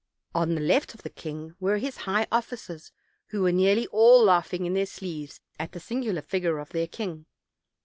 On the left of the king were his high officers, who were nearly all laughing in their sleeves at the singular figure of their kin,g.